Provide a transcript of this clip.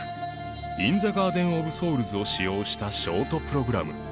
『イン・ザ・ガーデン・オブ・ソウルズ』を使用したショートプログラム